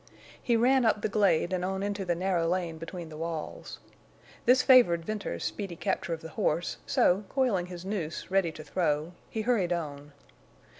He ran up the glade and on into the narrow lane between the walls. This favored Venters's speedy capture of the horse, so, coiling his noose ready to throw, he hurried on.